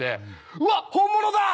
「うわ本物だ！」